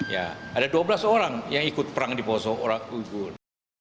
ya ada dua belas orang yang ikut perang di poso orang ugul